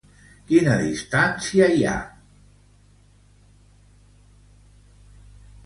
Quina distancia hi ha entre Lowestoft i Aldeburgh?